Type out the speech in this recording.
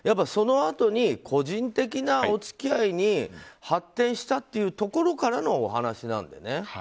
そのあとに個人的なお付き合いに発展したっていうところからのお話なのでね。